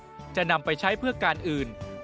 ๕เงินจากการรับบุคคลหรือนิติบุคคล